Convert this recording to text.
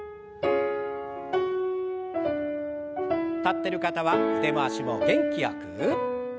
立ってる方は腕回しも元気よく。